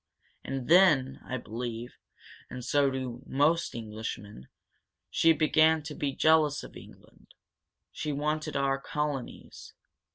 "And then, I believe and so do most Englishmen she began to be jealous of England. She wanted our colonies.